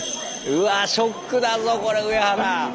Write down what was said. うわショックだぞこれウエハラ。